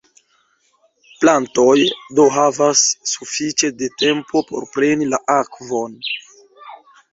Plantoj do havas sufiĉe da tempo por preni la akvon.